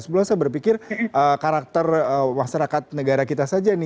sebenarnya saya berpikir karakter masyarakat negara kita saja nih